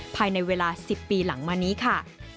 ภายในเวลา๑๐ปีหลังมานี้ค่ะ